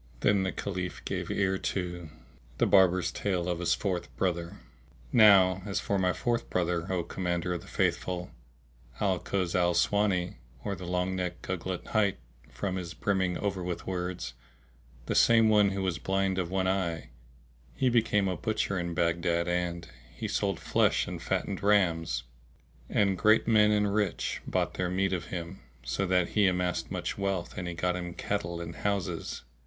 Then the Caliph gave ear to The Barber's Tale of his Fourth Brother. Now as for my fourth brother, O Commander of the Faithful, Al Kuz al aswáni, or the long necked Gugglet hight, from his brimming over with words, the same who was blind of one eye, he became a butcher in Baghdad and he sold flesh and fattened rams; and great men and rich bought their meat of him, so that he amassed much wealth and got him cattle and houses.